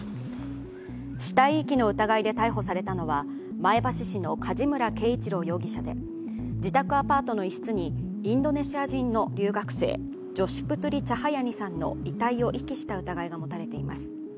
死体遺棄の疑いで逮捕されたのは、前橋市の梶村圭一郎容疑者で自宅アパートの一室にインドネシア人の留学生ジョシ・プトゥリ・チャハヤニさんの遺体を遺棄した疑いが持たれています。